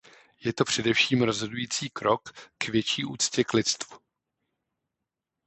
Je to především rozhodující krok k větší úctě k lidstvu.